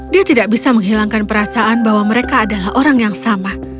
dia tidak bisa menghilangkan perasaan bahwa mereka adalah orang yang sama